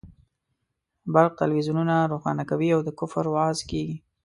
برق تلویزیونونه روښانه کوي او د کفر وعظ کېږي.